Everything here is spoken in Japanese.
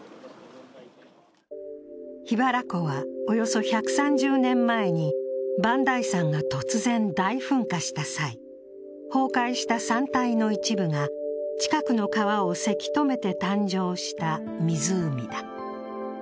桧原湖はおよそ１３０年前に磐梯山が突然大噴火した際、崩壊した山体の一部が近くの川をせき止めて誕生した湖だ。